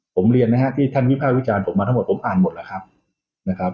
ผมเรียนนะฮะที่ท่านวิภาควิจารณ์ผมมาทั้งหมดผมอ่านหมดแล้วครับนะครับ